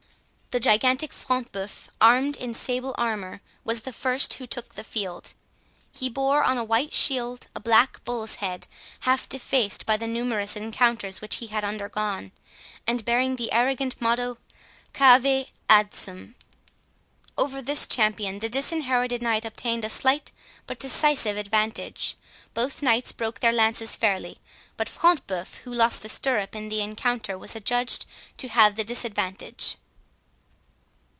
The gigantic Front de Bœuf, armed in sable armour, was the first who took the field. He bore on a white shield a black bull's head, half defaced by the numerous encounters which he had undergone, and bearing the arrogant motto, "Cave, Adsum". Over this champion the Disinherited Knight obtained a slight but decisive advantage. Both Knights broke their lances fairly, but Front de Bœuf, who lost a stirrup in the encounter, was adjudged to have the disadvantage.